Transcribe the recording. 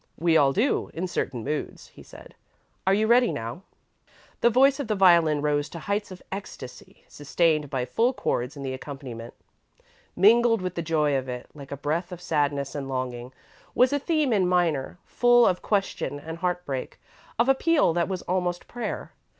"We all do, in certain moods," he said. "Are you ready now?" The voice of the violin rose to heights of ecstasy, sustained by full chords in the accompaniment. Mingled with the joy of it, like a breath of sadness and longing, was a theme in minor, full of question and heartbreak; of appeal that was almost prayer.